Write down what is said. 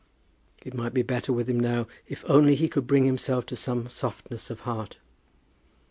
It might be better with him now, if only he could bring himself to some softness of heart.